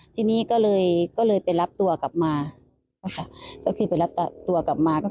ทีนี้ก็เลยไปรับตัวกลับมาทีนี้ก็รับสารภาพว่า